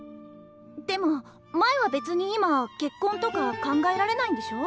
でも舞は別に今結婚とか考えられないんでしょ？